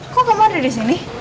kok kamu ada disini